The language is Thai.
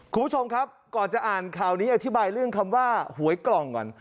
คุณผู้ชมครับก่อนจะอ่านข่าวนี้อธิบายเรื่องคำว่าหวยกล่องก่อน